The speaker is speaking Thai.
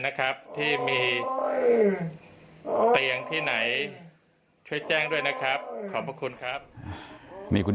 นะครับที่มีที่ไหนใช้แจ้งด้วยนะครับขอบคุณครับมี่คุณ